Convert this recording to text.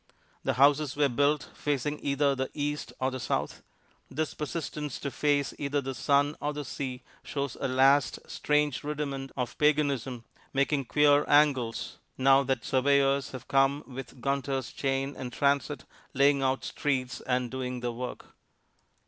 The houses were built facing either the east or the south. This persistence to face either the sun or the sea shows a last, strange rudiment of paganism, making queer angles now that surveyors have come with Gunter's chain and transit, laying out streets and doing their work.